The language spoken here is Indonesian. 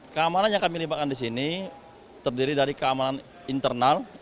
keamanan yang kami lipatkan di sini terdiri dari keamanan internal